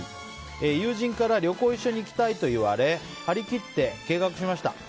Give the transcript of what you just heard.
友人から旅行に一緒に行きたいと言われ張り切って計画しました。